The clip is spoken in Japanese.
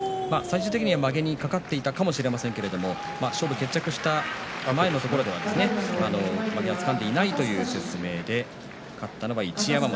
やはり、まげの部分を見ていたということで最終的にまげにかかっていたかもしれませんが勝負が決着した前のところではまげはつかんでいないという説明で勝ったのは一山本。